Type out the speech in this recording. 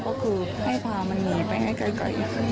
ก็คือให้พามันหนีไปให้ไกล